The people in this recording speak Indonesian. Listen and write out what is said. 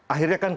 akhirnya kan kita